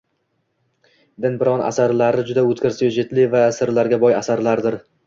Den Braun asarlari juda oʻtkir syujetli va sirlarga boy asarlardir.